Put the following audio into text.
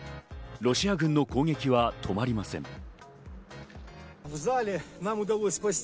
ロシア軍の攻撃は止まりません。